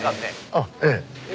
あっええ。